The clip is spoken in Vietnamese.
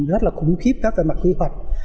rất là khủng khiếp các về mặt kế hoạch